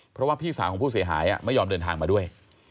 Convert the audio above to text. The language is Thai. เพราะว่าพี่สาวของผู้เสียหายไม่ยอมเดินทางมาด้วย